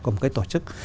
của một cái tổ chức